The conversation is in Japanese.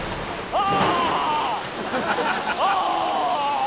ああ！